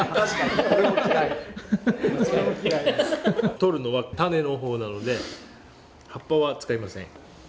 取るのは種の方なので葉っぱは使いません。